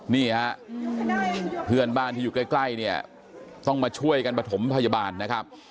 นี่ฮะเพื่อนบ้านที่อยู่ใกล้เนี่ยต้องมาช่วยกันประถมพยาบาลนะครับ